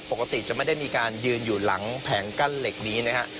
ปกติจะไม่ได้มีการยืนอยู่หลังแผงกั้นเหล็กนี้นะฮะ